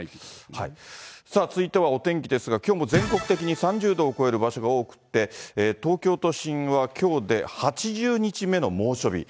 続いてはお天気ですが、きょうも全国的に３０度を超える場所が多くて、東京都心はきょうで８０日目の猛暑日。